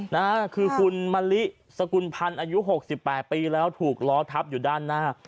นะฮะคือคุณมะลิสกุลพันธ์อายุหกสิบแปดปีแล้วถูกล้อทับอยู่ด้านหน้า